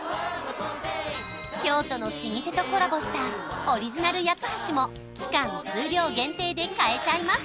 京都の老舗とコラボしたオリジナル八ツ橋も期間・数量限定で買えちゃいます